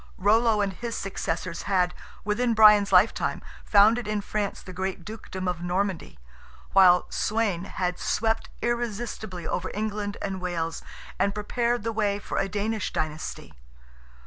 Rollo and his successors had, within Brian's lifetime, founded in France the great dukedom of Normandy; while Sweyn had swept irresistibly over England and Wales, and prepared the way for a Danish dynasty.